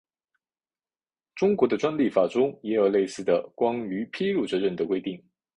中国的专利法中也有类似的关于披露责任的规定。